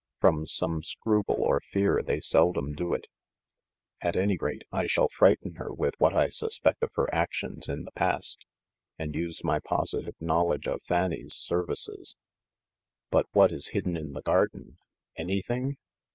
From some scruple or fear they seldom do it. At any rate, I shall frighten her with what I suspect of her actions in the past, and use my positive knowledge of Fanny's serv ices." "But what is hidden in the garden? Anything?